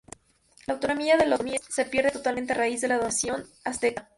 La autonomía de lo otomíes se pierde totalmente a raíz de la dominación azteca.